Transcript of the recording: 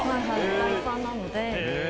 大ファンなので。